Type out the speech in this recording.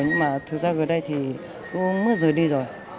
nhưng mà thực ra gần đây thì cũng mất rời đi rồi